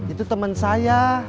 itu temen saya